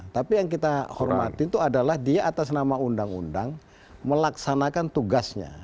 tapi yang kita hormatin itu adalah dia atas nama undang undang melaksanakan tugasnya